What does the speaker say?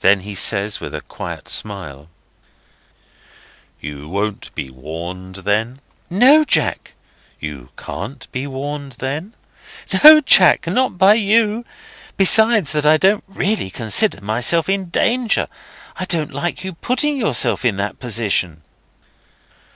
Then he says with a quiet smile: "You won't be warned, then?" "No, Jack." "You can't be warned, then?" "No, Jack, not by you. Besides that I don't really consider myself in danger, I don't like your putting yourself in that position."